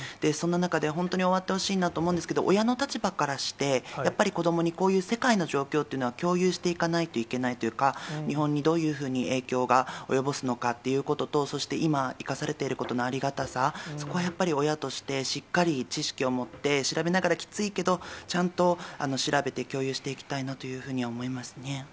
そんな中で、本当に終わってほしいなと思うんですけど、親の立場からして、やっぱり子どもにこういう世界の状況っていうのは共有していかないといけないというか、日本にどういうふうに影響が及ぼすのかということと、そして、今、生かされていることのありがたさ、そこはやっぱり親として、しっかり知識を持って、調べながら、きついけど、ちゃんと調べて、共有していきたいなというふうには思いますね。